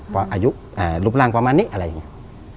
เพราะอายุรูปร่างประมาณนี้อะไรอย่างนี้